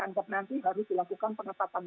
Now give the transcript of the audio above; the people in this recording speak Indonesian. anggap nanti harus dilakukan penetapan